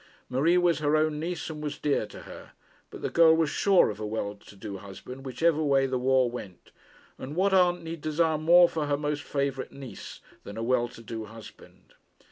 Marie was her own niece, and was dear to her; but the girl was sure of a well to do husband whichever way the war went; and what aunt need desire more for her most favourite niece than a well to do husband?